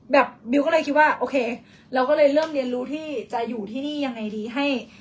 บิวก็เลยคิดว่าโอเคเราก็เลยเริ่มเรียนรู้ที่จะอยู่ที่นี่ยังไงดีให้